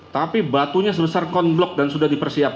tapi batunya sebesar konblok dan sudah dipersiapkan